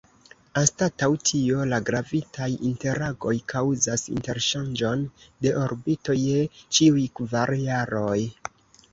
Anstataŭ tio, la gravitaj interagoj kaŭzas interŝanĝon de orbito je ĉiuj kvar jaroj.